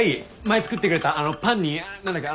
前作ってくれたパンに何だっけ？